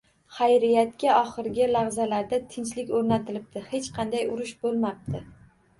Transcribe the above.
Xayriyatki, oxirgi lahzalarda tinchlik o‘rnatilibdi, hech qanday urush bo‘lmabdi